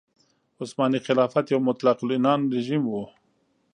عثماني خلافت یو مطلق العنان رژیم و.